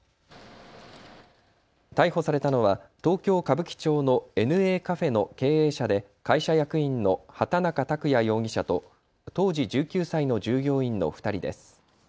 逮捕されたのは東京歌舞伎町のＮＡカフェの経営者で会社役員の畑中卓也容疑者と当時１９歳の従業員の２人です。